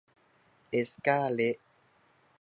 เอสก้า เละ